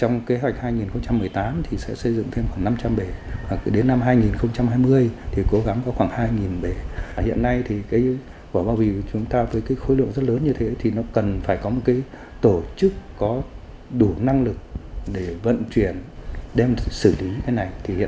người dân vẫn tự ý vứt vỏ bao bì một cách bừa bãi